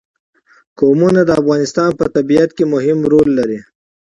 قومونه د افغانستان په طبیعت کې مهم رول لري.